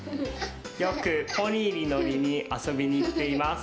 よくポニーにのりにあそびにいっています。